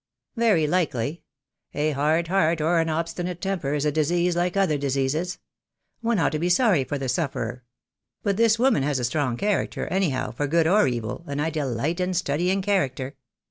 "Very likely. A hard heart, or an obstinate temper, is a disease like other diseases. One ought to be sorry for the sufferer. But this woman has a strong character, anyhow, for good or evil, and I delight in studying cha racter.